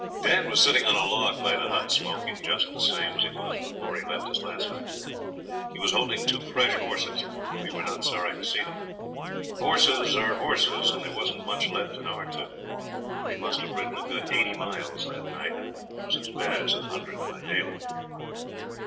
Dad was sitting on a log by the hut smoking, just the same as he was before he left us last time. He was holding two fresh horses, and we were not sorry to see them. Horses are horses, and there wasn't much left in our two. We must have ridden a good eighty miles that night, and it was as bad as a hundred by daylight.